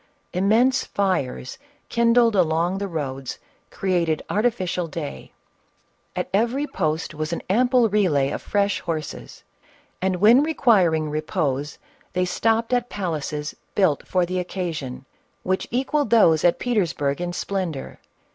Immense fires, kindled along the roads, created artificial day ; at every post was an ample relay of fresh horses ; and when requiring repose they stopped at palaces, built for the occasion, which equalled those at Petersburg in splendor.